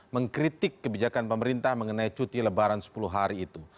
mengkritik kebijakan pemerintah mengenai cuti lebaran sepuluh hari itu